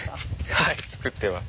はい作ってます。